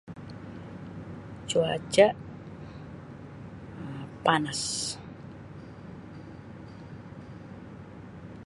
Cuaca panas.